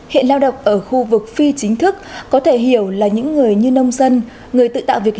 hiện lao động ở khu vực phi chính thức có thể hiểu là những người như nông dân